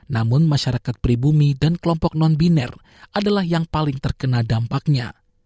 namun masyarakat pribumi dan kelompok non biner adalah yang paling terkena dampaknya